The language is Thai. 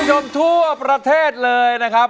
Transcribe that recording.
สวัสดีครับคุณผู้ชมทั่วประเทศเลยนะครับ